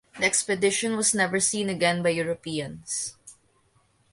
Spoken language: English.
The expedition was never seen again by Europeans.